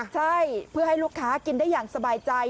ใช่เพื่อให้ลูกค้ากินได้อย่างสบายใจ